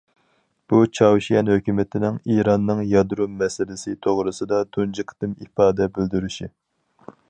بۇ چاۋشيەن ھۆكۈمىتىنىڭ ئىراننىڭ يادرو مەسىلىسى توغرىسىدا تۇنجى قېتىم ئىپادە بىلدۈرۈشى.